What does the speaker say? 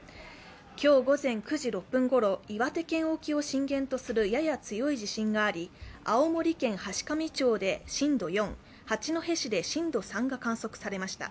今日午前９時６分ごろ、岩手県沖を震源とするやや強い地震があり青森県階上町で震度４、八戸市で震度３が観測されました。